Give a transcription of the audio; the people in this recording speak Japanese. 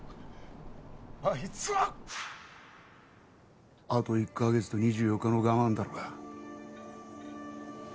あいつはあと１カ月と２４日の我慢だろうが